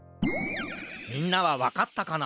みんなはわかったかな？